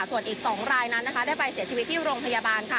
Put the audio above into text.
ส่วนอีก๒รายนั้นนะคะได้ไปเสียชีวิตที่โรงพยาบาลค่ะ